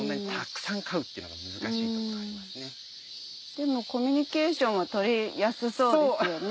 でもコミュニケーションは取りやすそうですよね。